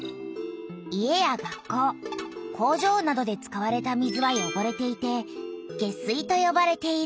家や学校工場などで使われた水はよごれていて「下水」とよばれている。